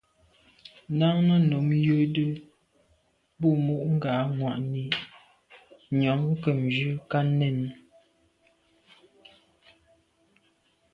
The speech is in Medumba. Náná nǔm jə́də́ bû mû ŋgā mwà’nì nyɔ̌ ŋkə̂mjvʉ́ ká nɛ̂n.